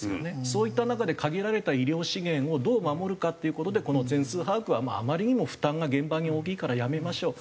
そういった中で限られた医療資源をどう守るかっていう事でこの全数把握はあまりにも負担が現場に大きいからやめましょう。